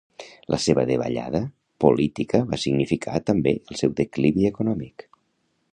La seva davallada política va significar també el seu declivi econòmic.